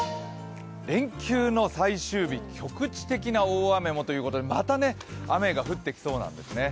連休の最終日、局地的な大雨もということでまた雨が降ってきそうなんですね。